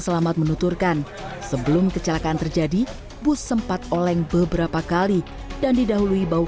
selamat menuturkan sebelum kecelakaan terjadi bus sempat oleng beberapa kali dan didahului bau